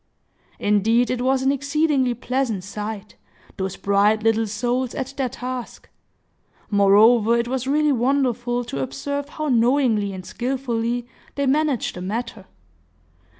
Indeed, it was an exceedingly pleasant sight, those bright little souls at their task! Moreover, it was really wonderful to observe how knowingly and skilfully they managed the matter.